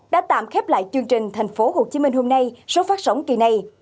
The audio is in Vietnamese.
đã tạm khép lại chương trình thành phố hồ chí minh hôm nay sớm phát sóng kỳ này